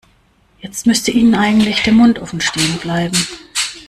Jetzt müsste Ihnen eigentlich der Mund offen stehen bleiben.